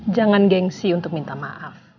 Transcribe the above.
jangan gengsi untuk minta maaf